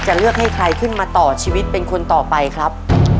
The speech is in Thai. เลือกให้ใครขึ้นมาต่อชีวิตเป็นคนต่อไปครับ